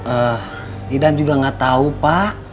eh idan juga gak tau pak